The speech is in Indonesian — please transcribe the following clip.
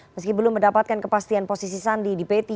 meski belum mendapatkan kepastian posisi sandi di p tiga